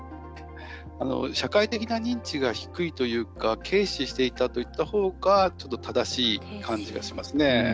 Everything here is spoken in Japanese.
社会的な認知が低いというか軽視していたといったほうがちょっと正しい感じがしますね。